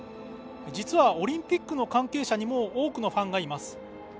実はオリンピックの関係者にも多くのファンがいます。